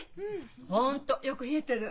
本当よく冷えてる！